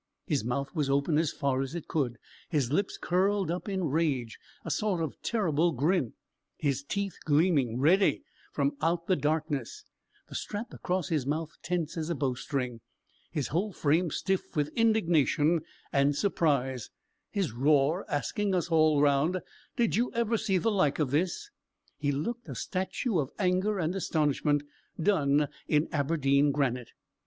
His mouth was open as far as it could; his lips curled up in rage a sort of terrible grin; his teeth gleaming, ready, from out the darkness, the strap across his mouth tense as a bowstring; his whole frame stiff with indignation and surprise; his roar asking us all round, "Did you ever see the like of this?" He looked a statue of anger and astonishment, done in Aberdeen granite.